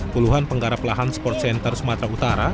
puluhan penggara pelahan sports center sumatera utara